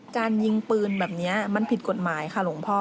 การยิงปืนแบบนี้มันผิดกฎหมายค่ะหลวงพ่อ